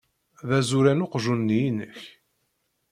D azuran uqjun-nni-inek.